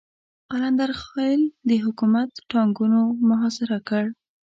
قلندر خېل د حکومت ټانګونو محاصره کړ.